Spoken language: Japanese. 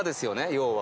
要は。